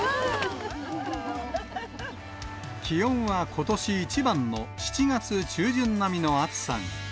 気温はことし一番の７月中旬並みの暑さに。